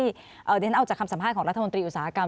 เดี๋ยวฉันเอาจากคำสัมภาษณ์ของรัฐมนตรีอุตสาหกรรม